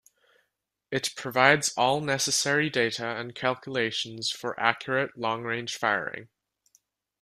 It provides all necessary data and calculations for accurate long range firing.